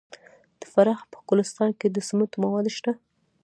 د فراه په ګلستان کې د سمنټو مواد شته.